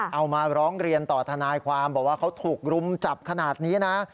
เอามาร้องเรียนต่อทนายความบอกว่าเขาถูกรุมจับขนาดนี้นะ